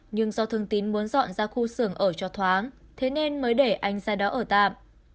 nhưng do thương tín muốn dọn ra khu xưởng ở cho thoáng thế nên mới để anh ra đó ở tạm